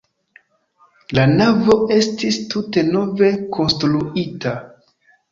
La navo estis tute nove konstruita.